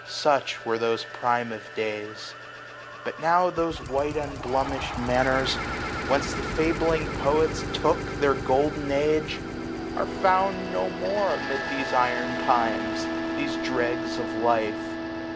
Such were those prime of days. 270 But now those white unblemished manners, whence The fabling poets took their golden age, c 2 13 SPRING. Are found no more amid these iron times, These dregs of life